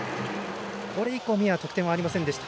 これ以降、三重は得点はありませんでした。